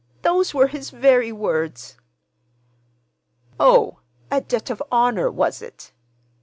Those were his very words." "Oh! A debt of honor, was it?"